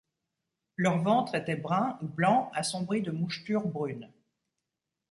Leur ventre était brun ou blanc assombri de mouchetures brunes.